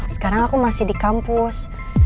sekarang aku masih di kampus